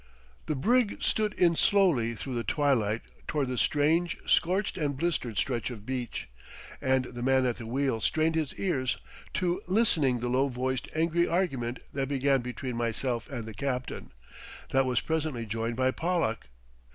The brig stood in slowly through the twilight toward this strange scorched and blistered stretch of beach, and the man at the wheel strained his ears to listening the low voiced angry argument that began between myself and the captain, that was presently joined by Pollack.